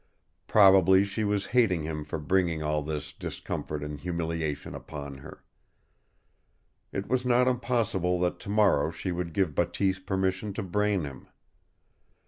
Probably she was hating him for bringing all this discomfort and humiliation upon her. It was not impossible that tomorrow she would give Bateese permission to brain him.